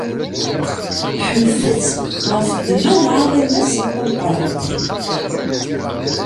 Ḥemdet- t ɣef ddemma n lɛaḍima-s tameqqrant!